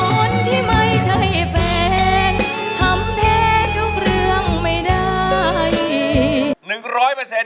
คนที่ไม่ใช่แฟนทำแท้ทุกเรื่องไม่ได้